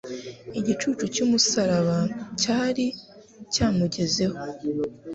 Igicucu cy'umusaraba cyari cyamugezeho,